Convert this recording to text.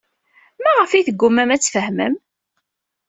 Maɣef ay teggumam ad tfehmem?